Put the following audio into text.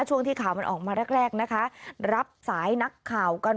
ช่วงที่ข่าวมันออกมาแรกแรกนะคะรับสายนักข่าวกัน